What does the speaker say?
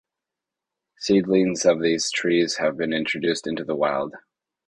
Seedlings of these trees have been introduced into the wild.